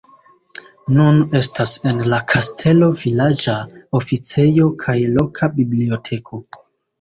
Nun estas en la kastelo vilaĝa oficejo kaj loka biblioteko.